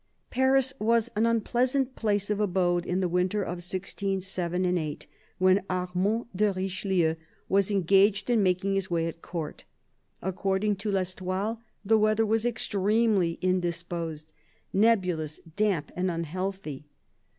Paris was an unpleasant place of abode in the winter of 1607 8, when Armand de Richelieu was engaged in making his way at Court. According to L'Estoile, the weather was extremely indisposed, " nebulous, damp and unhealthy."